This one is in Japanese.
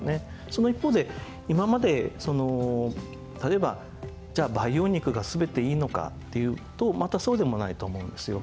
その一方で今まで例えばじゃあ培養肉が全ていいのかっていうとまたそうでもないと思うんですよ。